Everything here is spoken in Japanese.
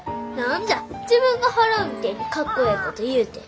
自分が払うみてえにかっこええこと言うて。